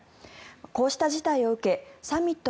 こうした事態を受けサミット